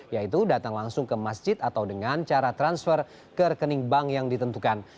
yaitu datang langsung ke masjid atau dengan cara transfer ke rekening bank yang ditentukan